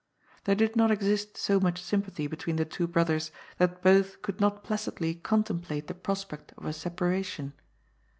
There did not exist so much sympathy be tween the two brothers, that both could not placidly con template the prospect of a separation.